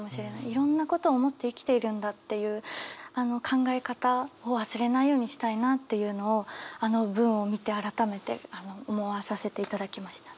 いろんなことを思って生きているんだっていうあの考え方を忘れないようにしたいなっていうのをあの文を見て改めて思わさせていただきました。